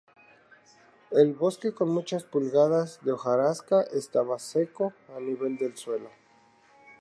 El bosque con muchas pulgadas de hojarasca estaba seco al nivel del suelo.